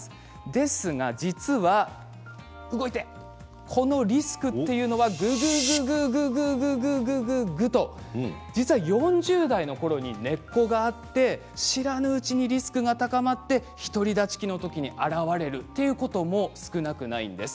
ですが実はこのリスクというのはぐぐぐぐぐっと実は４０代のころから根っこがあって知らないうちにリスクが高まってひとりだち期の時に出てくるということがあります。